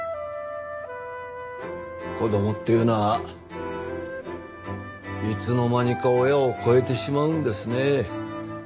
子供っていうのはいつの間にか親を超えてしまうんですねえ。